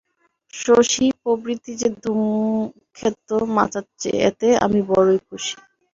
শশী প্রভৃতি যে ধূমক্ষেত্র মাচাচ্চে, এতে আমি বড়ই খুশী।